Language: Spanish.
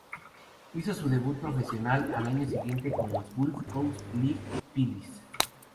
Hizo su debut profesional al año siguiente con los Gulf Coast League Phillies.